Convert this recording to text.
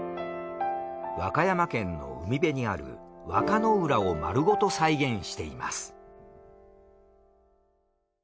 和歌山県の海辺にある和歌の浦を丸ごと再現しています。